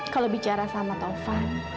kalau bicara sama taufan